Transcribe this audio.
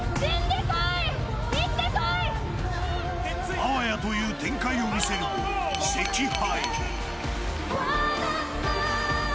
あわやという展開を見せるも惜敗。